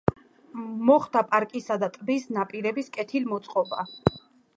მოხდა პარკისა და ტბის ნაპირების კეთილმოწყობა.